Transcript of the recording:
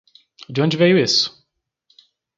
De onde veio isso?